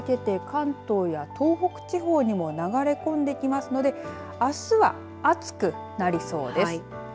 ただ、この暖かい空気があすにかけて関東や東北地方にも流れ込んできますので、あすは暑くなりそうです。